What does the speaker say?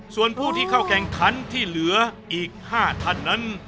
ส่วนผู้ที่เข้าแข่งขันที่เหลืออีก๕ท่านนั้น